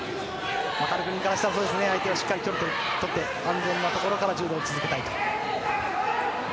カルグニンからしたら相手としっかり距離をとって安全なところから柔道を続けたいと。